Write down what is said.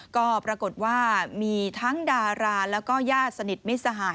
ก็ปรากฏว่ามีทั้งดาราแล้วก็ญาติสนิทมิสหาย